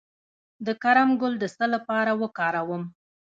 د کرم ګل د څه لپاره وکاروم؟